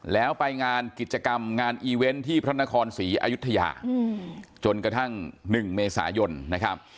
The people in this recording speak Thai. แล้วไปงานกิจกรรมงานอีเวนต์ที่พระนครศรีอายุทยาจนกระทั่ง๑เมษายนนะครับ